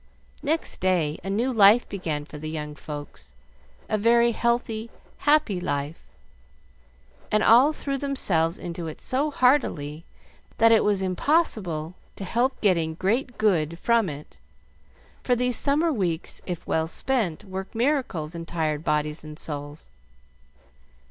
Next day a new life began for the young folks a very healthy, happy life; and all threw themselves into it so heartily, that it was impossible to help getting great good from it, for these summer weeks, if well spent, work miracles in tired bodies and souls.